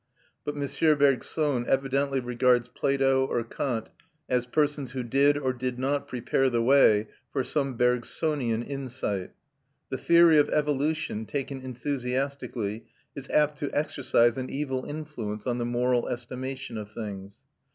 But M. Bergson evidently regards Plato or Kant as persons who did or did not prepare the way for some Bergsonian insight. The theory of evolution, taken enthusiastically, is apt to exercise an evil influence on the moral estimation of things.